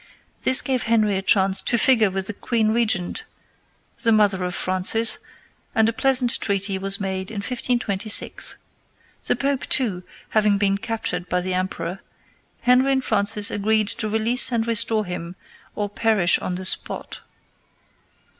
This gave Henry a chance to figure with the queen regent, the mother of Francis, and a pleasant treaty was made in 1526. The Pope, too, having been captured by the emperor, Henry and Francis agreed to release and restore him or perish on the spot.